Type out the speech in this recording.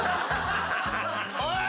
おい！